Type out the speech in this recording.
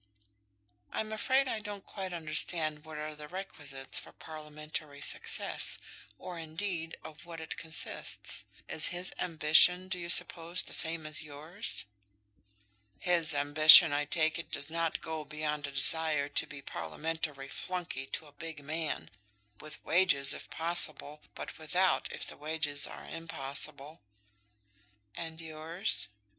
"I'm afraid I don't quite understand what are the requisites for Parliamentary success, or indeed of what it consists. Is his ambition, do you suppose, the same as yours?" "His ambition, I take it, does not go beyond a desire to be Parliamentary flunkey to a big man, with wages, if possible, but without, if the wages are impossible." "And yours?"